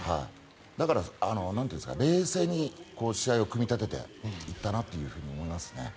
だから、冷静に試合を組み立てていったなと思います。